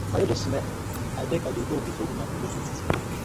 Wayo just smell, I beg I dey go befor una pollute mi.